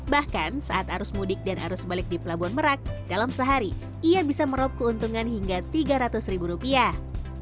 bahkan saat arus mudik dan arus balik di pelabuhan merak dalam sehari ia bisa merob keuntungan hingga tiga ratus ribu rupiah